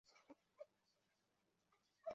光叶白头树为橄榄科嘉榄属的植物。